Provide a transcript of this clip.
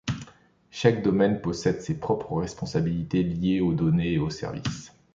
Chaque domaine possède ses propres responsabilités liées aux données et aux services.